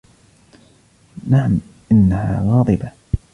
نعم, إنها غاضبة.